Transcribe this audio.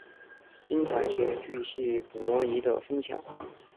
精彩且钜细靡遗的分享